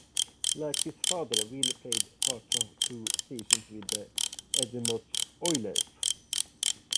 Like his father, Will played parts of two seasons with the Edmonton Oilers.